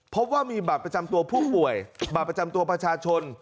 พบว่ามีบัตรประจำตัวผู้ป่วยบัตรประจำตัวประชาชน